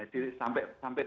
jadi sampai sampai itu